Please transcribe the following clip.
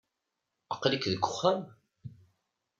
Aql-ik deg wexxam?